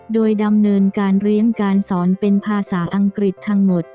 โดยดำเนินการเรียนการสอนเป็นภาษาอังกฤษทั้งหมด